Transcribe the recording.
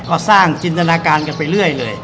ก็สร้างจินตนาการกันไปเรื่อยเลย